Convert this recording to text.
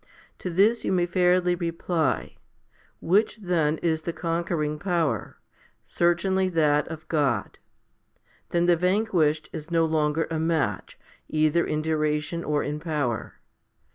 To this you may fairly reply, " Which then is the conquer ing power ? Certainly that of God. Then the vanquished is no longer a match, either in duration or in power."